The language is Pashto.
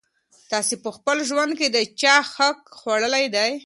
تاسي په خپل ژوند کي د چا حق خوړلی دی؟